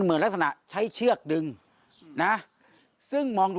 เอาปากกัดเลย